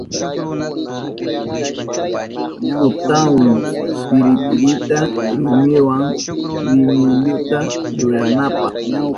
Kutahun piripirita rumiwa rimilluta rurananpa.